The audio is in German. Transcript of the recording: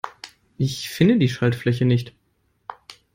Ich finde die Schaltfläche nicht.